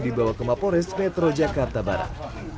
dibawa ke mapores metro jakarta barat